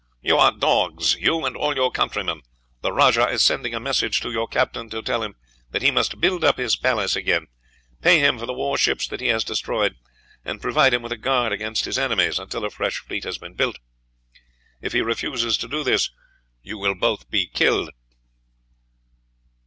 "You are dogs you and all your countrymen. The rajah is sending a message to your captain to tell him that he must build up his palace again, pay him for the warships that he has destroyed, and provide him with a guard against his enemies until a fresh fleet has been built. If he refuses to do this, you will both be killed."